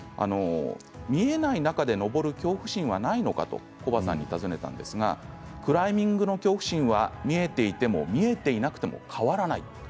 見えない中で登る恐怖心はないのかとコバさんに尋ねたんですがクライミングの恐怖心は見えていても見えていなくても変わらない。